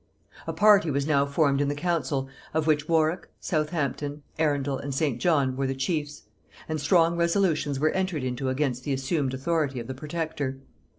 A party was now formed in the council, of which Warwick, Southampton, Arundel, and St. John, were the chiefs; and strong resolutions were entered into against the assumed authority of the protector.